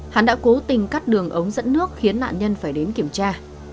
hắn đã cố tình cắt đường ống dẫn nước khiến nạn nhân phải đến kiểm tra